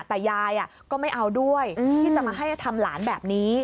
แต่ยายก็ไม่เอาด้วยที่จะมาให้ทำหลานแบบนี้